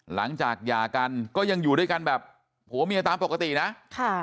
หลังจากหย่ากันก็ยังอยู่ด้วยกันแบบหัวเมียตามปกตินะ